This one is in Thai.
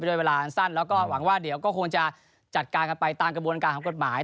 ด้วยเวลาอันสั้นแล้วก็หวังว่าเดี๋ยวก็คงจะจัดการกันไปตามกระบวนการของกฎหมาย